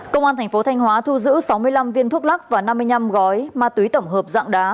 công an thành phố thanh hóa thu giữ sáu mươi năm viên thuốc lắc và năm mươi năm gói ma túy tổng hợp dạng đá